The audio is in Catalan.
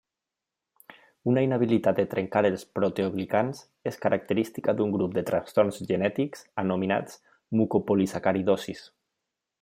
Una inhabilitat de trencar els proteoglicans és característica d'un grup de trastorns genètics, anomenats mucopolisacaridosis.